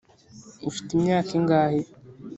ufite imyaka ingahe?